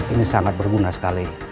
ini sangat berguna sekali